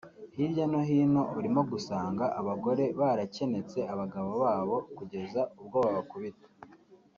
hirya no hino urimo gusanga abagore barakenetse abagabo babo kugeza ubwo babakubita